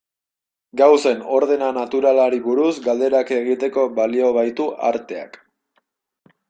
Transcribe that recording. Gauzen ordena naturalari buruz galderak egiteko balio baitu arteak.